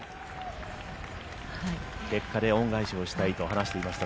結果で恩返ししたいと話していました、